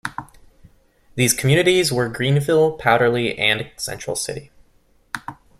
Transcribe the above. These communities were Greenville, Powderly, and Central City.